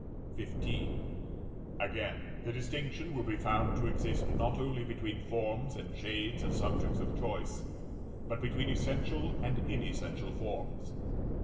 XV. Again, the distinction will be found to exist, not only between forms and shades as subjects of choice, but between essential and inessential forms.